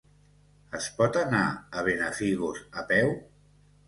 Es pot anar a Benafigos a peu?